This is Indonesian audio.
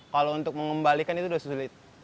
kalau untuk mengembalikan itu sudah sulit